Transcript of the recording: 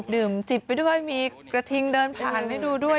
จิบไปด้วยมีกระทิงเดินผ่านให้ดูด้วย